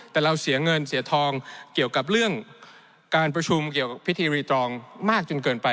แต่เราเสียเงินเสียทองเกี่ยวกับเรื่องการประชุมเกี่ยวกับพิธีรีตรองมากจนเกินไป